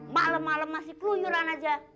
malem malem masih kuyuran aja